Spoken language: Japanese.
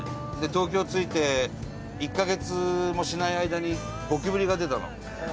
東京着いて１カ月もしない間にゴキブリが出たの。